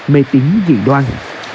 mê tín dị đoan